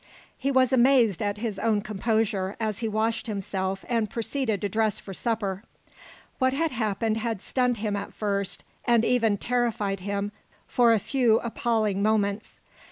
He was amazed at his own composure as he washed himself and proceeded to dress for supper. What had happened had stunned him at first, had even terrified him for a few appalling moments.